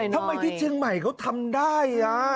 ทำไมที่เชียงใหม่เขาทำได้